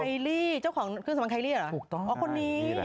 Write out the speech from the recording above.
คายลี่เจ้าของเครื่องสำอางคายลี่เหรอ